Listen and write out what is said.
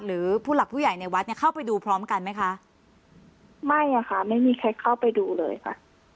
หรือผู้หลักผู้ใหญ่ในวัดเนี่ยเข้าไปดูพร้อมกันไหมคะไม่อ่ะค่ะไม่มีใครเข้าไปดูเลยค่ะ